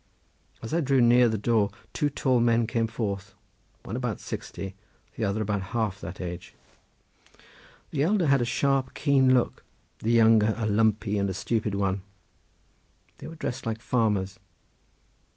As I drew near the door two tall men came forth, one about sixty, and the other about half that age. The elder had a sharp, keen look; the younger a lumpy and a stupid one. They were dressed like farmers.